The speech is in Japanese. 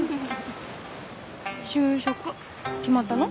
就職決まったの？